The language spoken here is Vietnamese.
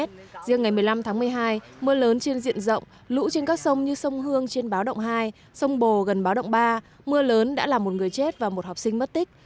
riêng ngày một mươi năm tháng một mươi hai mưa lớn trên diện rộng lũ trên các sông như sông hương trên báo động hai sông bồ gần báo động ba mưa lớn đã làm một người chết và một học sinh mất tích